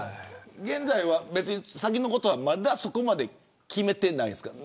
現在は先のことはまだそこまで決めてないですか。